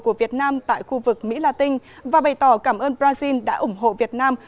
của việt nam tại khu vực mỹ la tinh và bày tỏ cảm ơn brazil đã ủng hộ việt nam